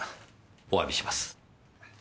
お詫びします。